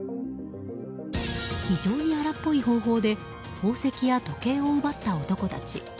非常に荒っぽい方法で宝石や時計を奪った男たち。